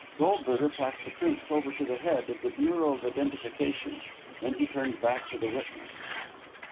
Goldberger passed the prints over to the head of the Bureau of Identification, then he turned back to the witness.